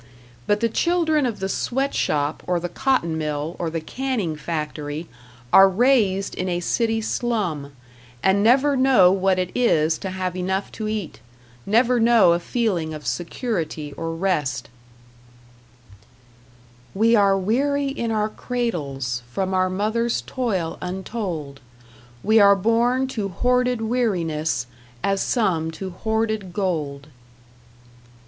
But the children of the sweat shop or the cotton mill or the canning factory are raised in a city slum, and never know what it is to have enough to eat, never know a feeling of security or rest We are weary in our cradles From our mother's toil untold; We are born to hoarded weariness As some to hoarded gold.